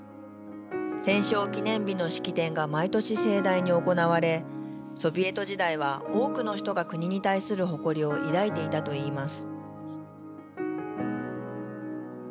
戦勝記念日の式典が毎年、盛大に行われソビエト時代は、多くの人が国に対する誇りを抱いていたといいます。